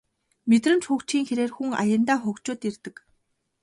Мэдрэмж хөгжихийн хэрээр хүн аяндаа хөгжөөд ирдэг